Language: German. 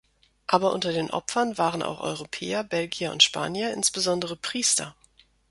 Aber unter den Opfern waren auch Europäer, Belgier und Spanier, insbesondere Priester.